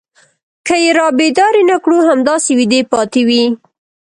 که يې رابيدارې نه کړو همداسې ويدې پاتې وي.